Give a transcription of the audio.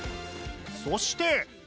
そして。